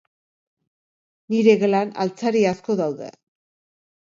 Nire gelan, altzari asko daude.